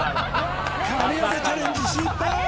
神業チャレンジ失敗！